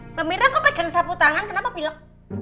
mbak mira kok pegang sapu tangan kenapa bilok